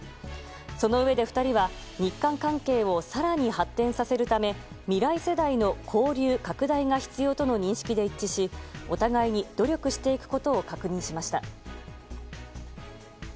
そのうえで２人は日韓関係を更に発展させるため未来世代の交流拡大が必要との認識で一致しお互いに努力していくことを確認しました。